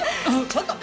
ちょっと！